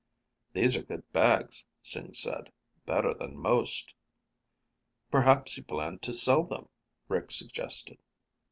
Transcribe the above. "These are good bags," Sing said. "Better than most." "Perhaps he planned to sell them," Rick suggested.